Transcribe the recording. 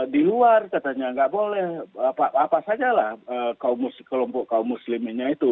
di luar katanya tidak boleh apa saja lah kelompok kelompok muslimnya itu